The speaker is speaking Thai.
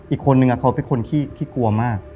อีกคนนึงเขาเป็นคนขี้กลัวมาก